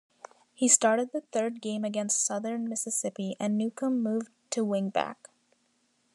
He started the third game against Southern Mississippi, and Newcombe moved to wingback.